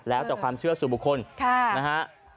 แล้วแต่ความเชื่อสู่บุคคลนะฮะ